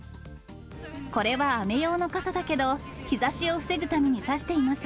これは雨用の傘だけど、日ざしを防ぐために差しています。